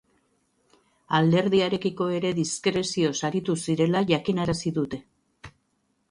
Alderdiarekiko ere diskrezioz aritu zirela jakinarazi dute.